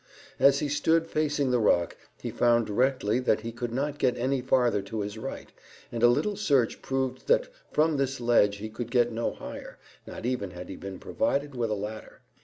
As he stood facing the rock he found directly that he could not get any farther to his right, and a little search proved that from this ledge he could get no higher, not even had he been provided with a ladder.